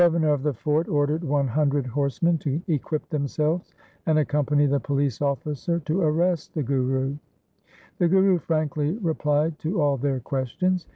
The Governor of the fort ordered one hundred horsemen to equip themselves and accompany the police officer to arrest the Guru. The Guru frankly replied to all their questions.